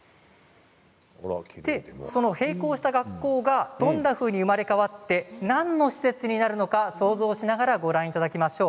その閉校した学校がどんなふうに生まれ変わって何の施設になるのか想像しながらご覧いただきましょう。